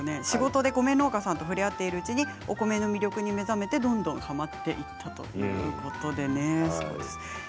仕事で米農家さんと触れ合っているうちにお米の魅力に目覚めて、どんどんはまっていったということです。